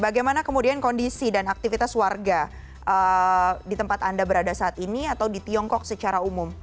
bagaimana kemudian kondisi dan aktivitas warga di tempat anda berada saat ini atau di tiongkok secara umum